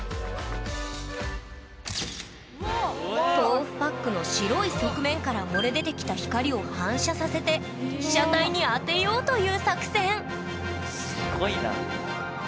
豆腐パックの白い側面から漏れ出てきた光を反射させて被写体に当てようという作戦すごいな。